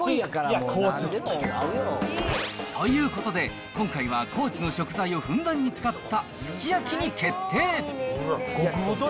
ということで、今回は高知の食材をふんだんに使ったすき焼きに決定。